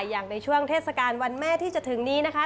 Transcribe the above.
อย่างในช่วงเทศกาลวันแม่ที่จะถึงนี้นะคะ